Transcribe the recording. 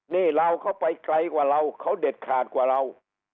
นี่เราเข้าไปไกลกว่าเราเขาเด็ดขาดกว่าเรา